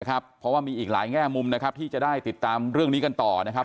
เพราะว่ามีอีกหลายแง่มุมนะครับที่จะได้ติดตามเรื่องนี้กันต่อนะครับ